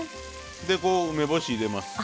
でこう梅干し入れます。